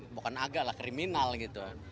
bukan agak lah kriminal gitu